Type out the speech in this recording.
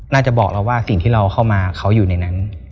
น่าจะบอกเราว่าสิ่งที่เราเข้ามาเขาอยู่ในนั้น